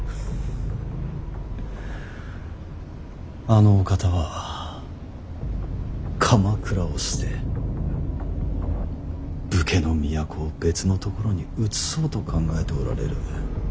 あのお方は鎌倉を捨て武家の都を別の所にうつそうと考えておられる。